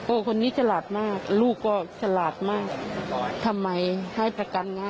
คนนี้ฉลาดมากลูกก็ฉลาดมากทำไมให้ประกันง่าย